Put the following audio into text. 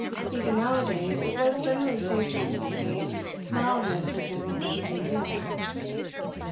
Even now a days, it was generally safe to anticipate mildness from him at the evening meal.